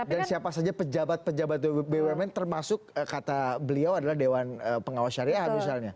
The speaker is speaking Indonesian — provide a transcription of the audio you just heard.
dan siapa saja pejabat pejabat bumn termasuk kata beliau adalah dewan pengawas syariah misalnya